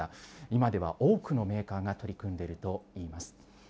今では多くのメーカーが取り組んでいるといいます。